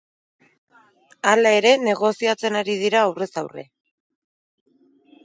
Hala ere, negoziatzen ari dira aurrez aurre.